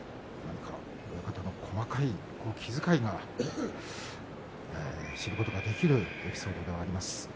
親方の細かい気遣いが知ることができるエピソードでした。